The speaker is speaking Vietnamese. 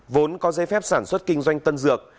vốn có dây phép sản xuất kinh doanh tân dược